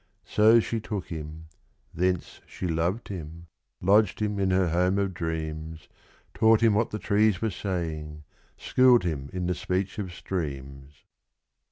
So she took him thence she loved him lodged him in her home of dreams, Taught him what the trees were saying, schooled him in the speech of streams.